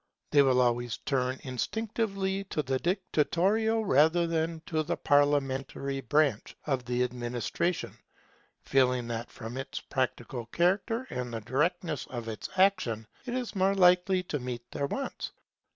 They will always turn instinctively to the dictatorial rather than to the parliamentary branch of the administration; feeling that from its practical character and the directness of its action, it is more likely to meet their wants.